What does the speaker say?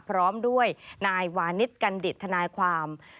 พร้อมด้วยนายวานิสกันดิตทนายความ